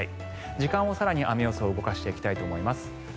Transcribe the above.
時間を更に動かしていきたいと思います。